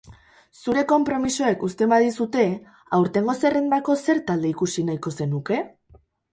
Zure konpromisoek uzten badizute, aurtengo zerrendako zer talde ikusi nahiko zenuke?